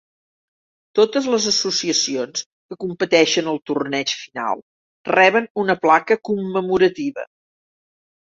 Totes les associacions que competeixen al torneig final reben una placa commemorativa.